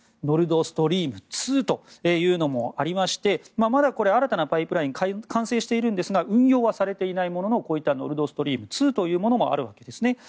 ノルドストリーム２というのもありましてまだ、新たなパイプラインは完成しているんですが運用はされていないもののこういったノルドストリーム２というものがあるわけです。